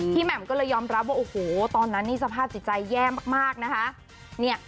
แหม่มก็เลยยอมรับว่าโอ้โหตอนนั้นนี่สภาพจิตใจแย่มากนะคะ